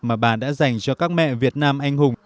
mà bà đã dành cho các mẹ việt nam anh hùng